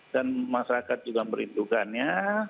dan masyarakat juga merindukannya